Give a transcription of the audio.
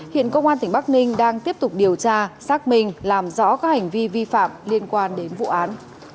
hiện công an tỉnh bắc ninh đang tiếp tục điều tra xác minh làm rõ các hành vi vi phạm liên quan đến vụ án